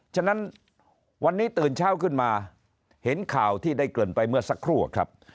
ฉะนั้นวันนี้ตื่นเช้าขึ้นมาเห็นข่าวที่ได้เกริ่นไปเมื่อสักครู่ครับ